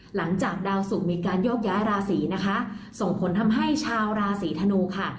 หลังจากดาวสุกมีการโยกย้ายราศีนะคะส่งผลทำให้ชาวราศีธนูค่ะ